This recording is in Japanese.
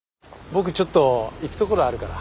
僕ちょっと行くところあるから。